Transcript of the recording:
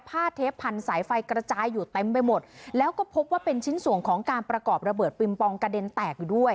เทปพันสายไฟกระจายอยู่เต็มไปหมดแล้วก็พบว่าเป็นชิ้นส่วนของการประกอบระเบิดปิงปองกระเด็นแตกอยู่ด้วย